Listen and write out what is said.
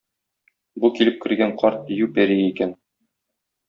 Бу килеп кергән карт дию пәрие икән.